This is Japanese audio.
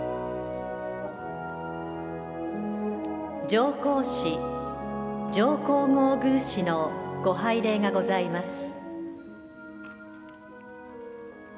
上皇使、上皇后宮使のご拝礼がございます。